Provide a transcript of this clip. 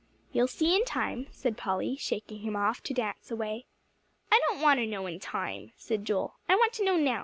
"You'll see in time," said Polly, shaking him off, to dance away. "I don't want to know in time," said Joel, "I want to know now.